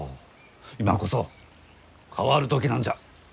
今こそ変わる時なんじゃ。